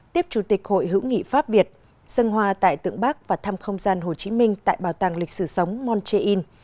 tiếp chủ tịch hội hữu nghị pháp việt dân hoa tại tượng bắc và thăm không gian hồ chí minh tại bảo tàng lịch sử sống monte in